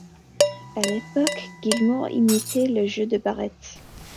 A l'époque Gilmour imitait le jeu de Barrett.